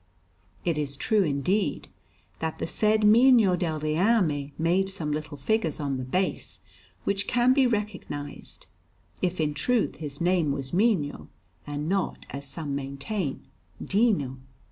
It is true, indeed, that the said Mino del Reame made some little figures on the base, which can be recognized; if in truth his name was Mino, and not, as some maintain, Dino.